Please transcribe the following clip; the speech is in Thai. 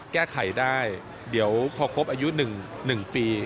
แก้ไขได้เดี๋ยวพอครบอายุ๑ปี